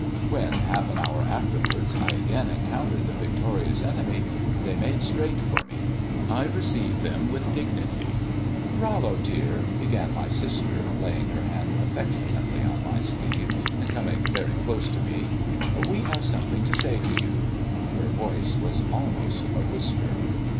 When, half an hour afterwards, I again encountered the victorious enemy, they made straight for me. I received them with dignity. "Rollo, dear," began my sister, laying her hand affectionately on my sleeve, and coming very close to me, "we have something to say to you." Her voice was almost a whisper.